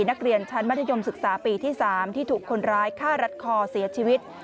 นักเรียนชั้นมัธยมศึกษาปีที่๓ที่ถูกคนร้ายฆ่ารัดคอเสียชีวิต